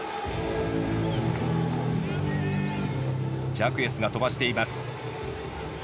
ジャクエスが飛ばしています。